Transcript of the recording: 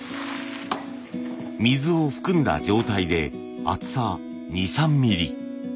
水を含んだ状態で厚さ２３ミリ。